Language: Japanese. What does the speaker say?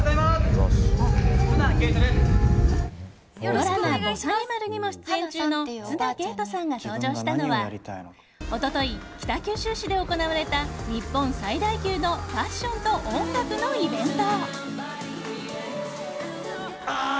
ドラマ「ぼさにまる」にも出演中の綱啓永さんが登場したのは一昨日、北九州市で行われた日本最大級のファッションと音楽のイベント。